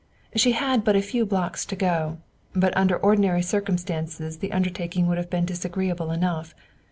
She had but a few blocks to go, but under ordinary circumstances the undertaking would have been disagreeable enough.